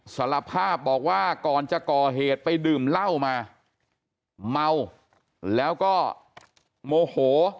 สารภาพบอกว่าก่อนจะก่อเหตุไปดื่มเหล้ามาเมาแล้วก็โมโห